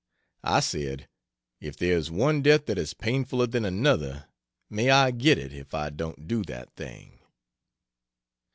I said, "If there is one death that is painfuller than another, may I get it if I don't do that thing."